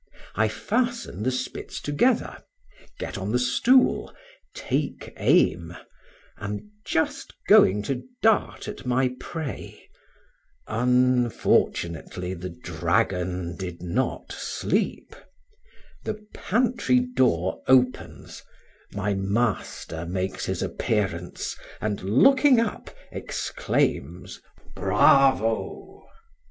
I fasten the spits together; get on the stool; take aim; am just going to dart at my prey unfortunately the dragon did not sleep; the pantry door opens, my master makes his appearance, and, looking up, exclaims, "Bravo!"